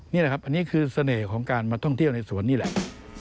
นี่แหละครับอันนี้คือเสน่ห์ของการมาท่องเที่ยวในสวนนี่แหละ